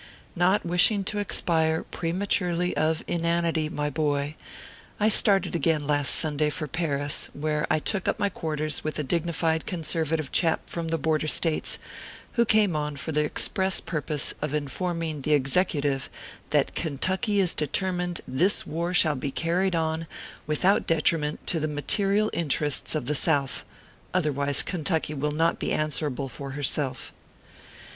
NOT wishing to expire prematurely of inanity, my boy, I started again last Sunday for Paris, where I took up my quarters with a dignified conservative chap from the Border States, who came on for the express purpose of informing the Executive that Kentucky is determined this war shall be carried on without detriment to the material interests of the South, otherwise Kentucky will not be answerable for herself.